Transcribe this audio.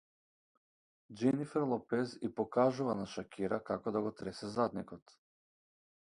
Џенифер Лопез и покажува на Шакира како да го тресе задникот